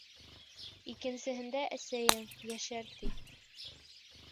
Икенсеһендә әсәйең йәшәр, ти.